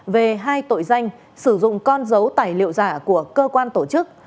về hai tội danh sử dụng con dấu tài liệu giả của cơ quan tổ chức